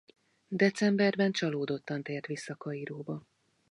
Decemberben csalódottan tért vissza Kairóba.